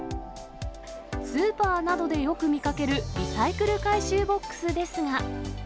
スーパーなどでよく見かけるリサイクル回収ボックスですが。